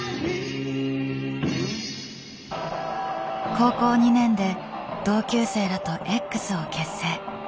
高校２年で同級生らと「Ｘ」を結成。